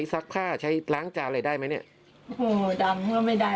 ต้องรอเอารองไว้แล้วให้มันตกตะกอนเอา